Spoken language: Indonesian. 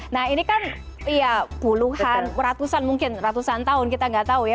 nah ini kan ya puluhan ratusan mungkin ratusan tahun kita nggak tahu ya